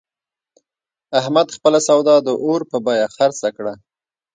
احمد خپله سودا د اور په بیه خرڅه کړه.